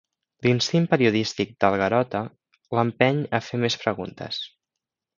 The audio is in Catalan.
L'instint periodístic del Garota l'empeny a fer més preguntes.